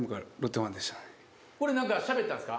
これ何かしゃべったんですか？